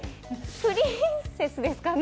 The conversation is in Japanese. プリンセスですかね。